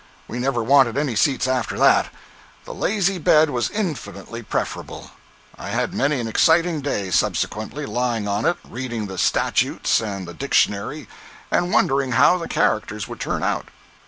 We never wanted any seats after that. The lazy bed was infinitely preferable. I had many an exciting day, subsequently, lying on it reading the statutes and the dictionary, and wondering how the characters would turn out.